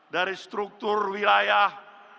dari struktur wilayah